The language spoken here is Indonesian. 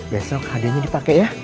besok hadiahnya dipake ya